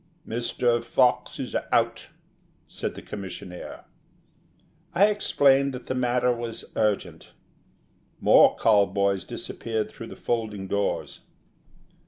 "Mr. Fox is out," said the commissionaire. I explained that the matter was urgent. More call boys disappeared through the folding doors.